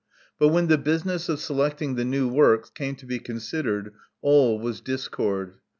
But when the business of selecting the new works came to be con sidered, all was discord.